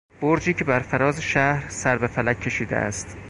برجی که برفراز شهر سر به فلک کشیده است